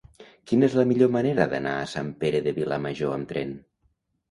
Quina és la millor manera d'anar a Sant Pere de Vilamajor amb tren?